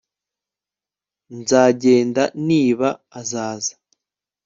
Nzagenda niba azaza